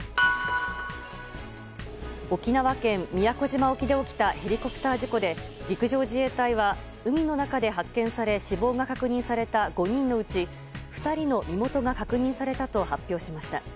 沖縄県宮古島沖で起きたヘリコプター事故で陸上自衛隊は海の中で発見され死亡が確認された５人のうち２人の身元が確認されたと発表しました。